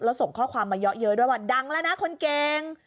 แล้วส่งข้อความมาเยอะเย้ด้วยว่าดังแล้วนะคนเก่ง